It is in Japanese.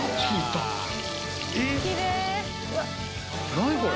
何これ。